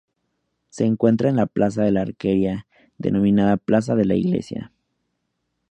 Se encuentra en la plaza de la alquería, denominada Plaza de la Iglesia.